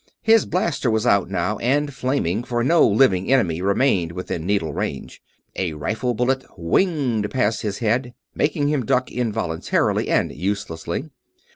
His blaster was out now and flaming, for no living enemy remained within needle range. A rifle bullet w h i n g e d past his head, making him duck involuntarily and uselessly.